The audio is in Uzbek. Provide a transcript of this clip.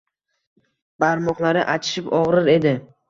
Barmoqlari achishib og‘rir edi.